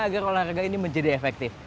agar olahraga ini menjadi efektif